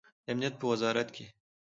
د امنیت په وزارت کې